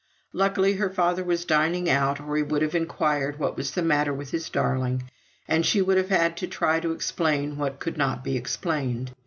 Luckily, her father was dining out, or he would have inquired what was the matter with his darling; and she would have had to try to explain what could not be explained.